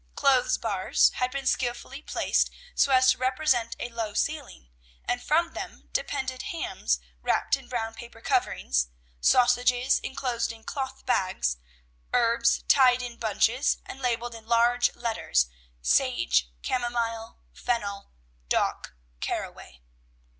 Clothes bars had been skilfully placed so as to represent a low ceiling, and from them depended hams wrapped in brown paper coverings, sausages enclosed in cloth bags, herbs tied in bunches and labelled in large letters, "Sage, Camomile, Fennel, Dock, Caraway."